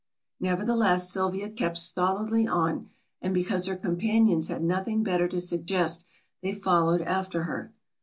Nevertheless Sylvia kept stolidly on and because her companions had nothing better to suggest they followed after her.